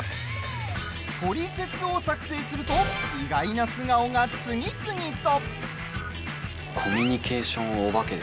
トリセツを作成すると意外な素顔が次々と。